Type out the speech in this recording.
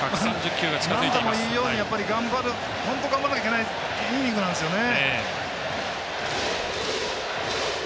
何度も言うように本当に頑張らなきゃいけないイニングなんですよね。